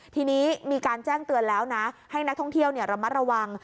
ทีนี้มีการแจ้งเตือนแล้วนะให้นักท่องเที่ยวระมัดระวัง